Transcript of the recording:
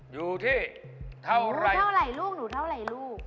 อยู่ที่เท่าไร